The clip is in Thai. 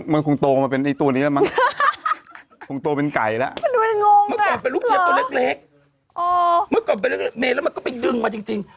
เมื่อก่อนเป็นเล็กแล้วมันก็ไปดึงมาจริง